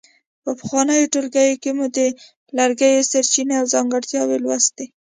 په پخوانیو ټولګیو کې مو د لرګیو سرچینې او ځانګړتیاوې لوستلې.